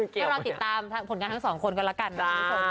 ชอบ